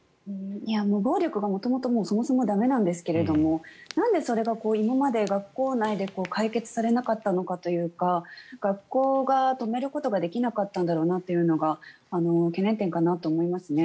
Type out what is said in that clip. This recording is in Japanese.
暴力が元々そもそも駄目なんですけどなんでそれが今まで学校内で解決されなかったのかというか学校が止めることができなかったんだろうなというのが懸念点かなと思いますね。